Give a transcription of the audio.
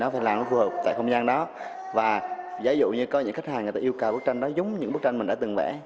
phải làm nó phù hợp tại không gian đó và ví dụ như có những khách hàng người ta yêu cầu bức tranh đó giống những bức tranh mình đã từng vẽ